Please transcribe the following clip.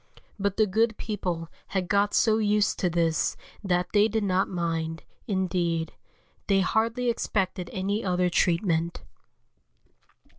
But the good people had got so used to this that they did not mind, indeed, they hardly expected any other treatment.